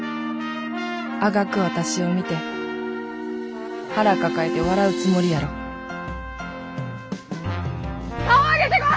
あがく私を見て腹抱えて笑うつもりやろ顔上げてこ！